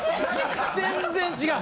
全然違う。